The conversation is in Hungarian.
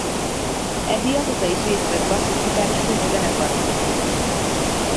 Abby azóta is részt vesz basszusgitárosként a zenekar turnéin.